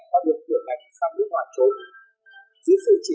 và vận chuyển ra hải phóng đối tượng